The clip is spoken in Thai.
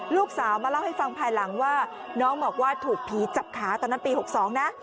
ลูกสาวมาเล่าให้ฟังภายหลังว่าน้องบอกว่าถูกผีจับขาตอนนั้นปี๖๒นะ